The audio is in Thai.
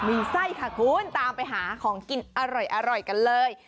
มีไส้ค่ะคุณตามไปหาของกินอร่อยกันเลย